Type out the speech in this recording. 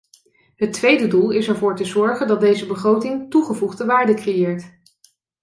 Het tweede doel is ervoor te zorgen dat deze begroting toegevoegde waarde creëert.